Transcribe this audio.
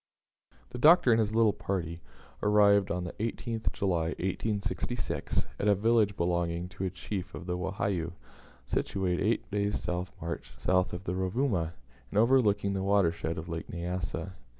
The Doctor and his little party arrived on the 18th July, 1866, at a village belonging to a chief of the Wahiyou, situate eight days' march south of the Rovuma, and overlooking the watershed of the Lake Nyassa.